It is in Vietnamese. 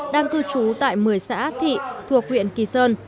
đang cư trú tại một mươi xã thị thuộc huyện kỳ sơn